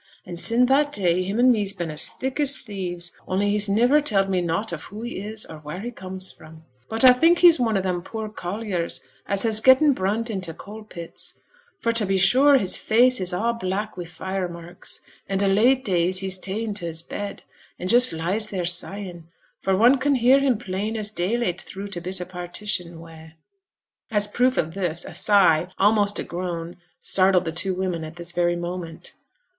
An' sin' that day him and me's been as thick as thieves, only he's niver telled me nought of who he is, or wheere he comes fra'. But a think he's one o' them poor colliers, as has getten brunt i' t' coal pits; for, t' be sure, his face is a' black wi' fire marks; an' o' late days he's ta'en t' his bed, an' just lies there sighing, for one can hear him plain as dayleet thro' t' bit partition wa'.' As a proof of this, a sigh almost a groan startled the two women at this very moment.